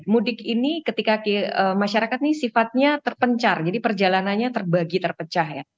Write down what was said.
mudik ini ketika masyarakat ini sifatnya terpencar jadi perjalanannya terbagi terpecah ya